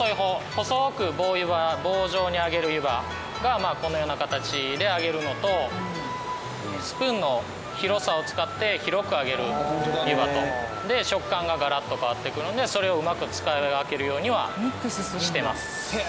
細く棒湯葉棒状にあげる湯葉がこんなような形であげるのとスプーンの広さを使って広くあげる湯葉とで食感がガラッと変わってくるのでそれをうまく使い分けるようにはしてます。